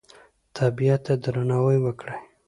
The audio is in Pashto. طبیعت ته درناوی وکړئ